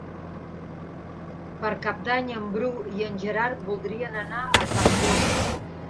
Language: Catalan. Per Cap d'Any en Bru i en Gerard voldrien anar a Campllong.